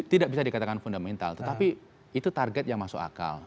tidak bisa dikatakan fundamental tetapi itu target yang masuk akal